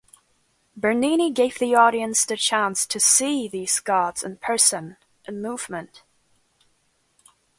Bernini gave the audience the chance to "see" these gods in person; in movement.